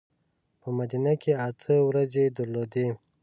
په مدینه کې اته ورځې درلودې.